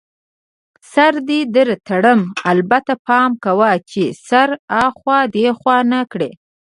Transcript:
سر دې در تړم، البته پام کوه چي سر اخوا دیخوا نه کړې.